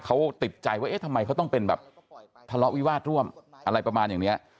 เขาติดใจว่าเอ๊ะทำไมเขาต้องเป็นแบบทะเลาะวิวาสร่วมอะไรประมาณอย่างเนี้ย